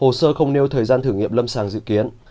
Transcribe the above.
hồ sơ không nêu thời gian thử nghiệm lâm sàng dự kiến